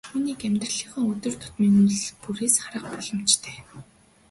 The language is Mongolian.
Үүнийг амьдралынхаа өдөр тутмын үйлдэл бүрээс харах боломжтой.